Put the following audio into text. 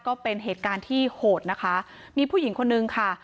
ก็เป็นเหตุการณ์ที่โหดนะคะมีผู้หญิงคนนึงค่ะ